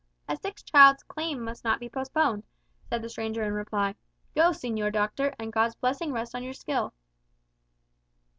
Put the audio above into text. "A sick child's claim must not be postponed," said the stranger in reply. "Go, señor doctor, and God's blessing rest on your skill."